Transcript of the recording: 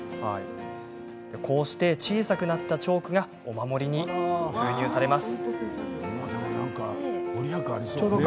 こうして小さくなったチョークがお守りに封入されます。